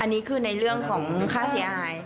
อันนี้คือในเรื่องของค่าเสียหาย